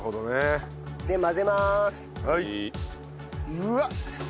うわっ！